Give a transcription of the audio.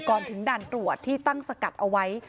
ก่อนถึงด่านตรวจที่ตั้งสกัดเอาไว้